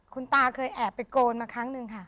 คุณตาเคยแอบไปโกนมาครั้งหนึ่งค่ะ